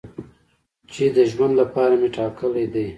چې د ژوند لپاره مې ټاکلی دی.